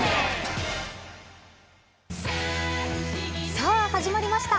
さあ始まりました。